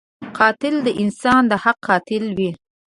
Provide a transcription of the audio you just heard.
قاتل د انسان د حق قاتل وي